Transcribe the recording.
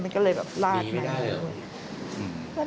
มันก็เลยแบบลาดมากเลยหนีไปไหนไม่ได้หรือ